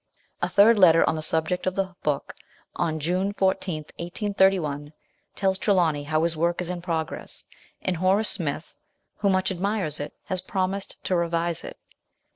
A third letter on the subject of the book, on June 14, 1831, tells Trelawny how his work is in progress, and Horace Smith, who much admires it, has promised to revise it.